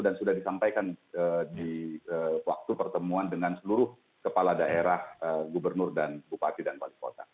dan sudah disampaikan di waktu pertemuan dengan seluruh kepala daerah gubernur dan bupati dan wali kota